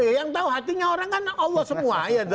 ya yang tahu hatinya orang kan allah semua